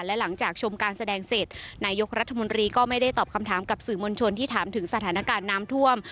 และหลังจากชมการแสดงเสร็จนายกรัฐมนตรีก็ไม่ได้ตอบคำถามกับสื่อมวลชนที่ถามถึงสถานการณ์น้ำท่วม